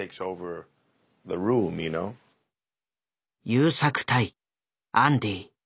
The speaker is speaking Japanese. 優作対アンディ。